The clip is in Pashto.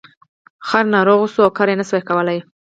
خر ناروغ شو او کار یې نشو کولی.